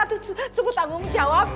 aduh suruh tanggung jawab